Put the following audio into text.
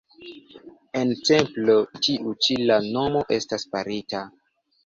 En templo tiu ĉi la mono estas farita.